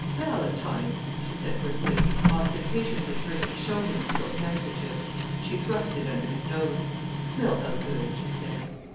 "Valentines," she said briskly, ostentatiously turning to show him the silk handkerchief. She thrust it under his nose. "Smell how good," she said.